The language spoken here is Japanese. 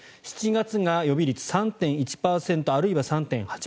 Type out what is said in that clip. ７月が予備率３．１％あるいは３．８％。